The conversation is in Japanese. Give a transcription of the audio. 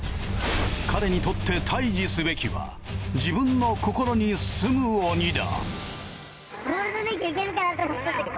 彼にとって退治すべきは自分の心にすむ鬼だ。